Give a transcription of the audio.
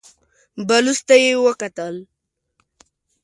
بلوڅ ته يې وکتل.